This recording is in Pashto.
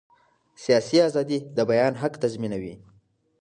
سیاسي ازادي د بیان حق تضمینوي